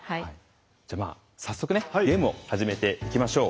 じゃまあ早速ねゲームを始めていきましょう。